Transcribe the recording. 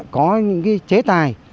có những chế tài